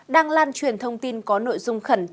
đang lan truyền thông tin có nội dung khẩn